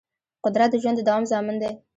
قدرت د ژوند د دوام ضامن دی.